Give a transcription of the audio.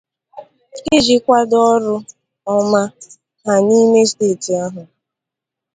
iji kwàdo ọrụ ọma ha n'ime steeti ahụ.